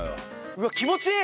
うわっ気持ちいい！